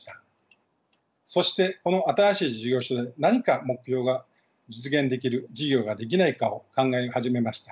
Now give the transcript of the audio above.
そしてこの新しい事業所で何か目標が実現できる事業ができないかを考え始めました。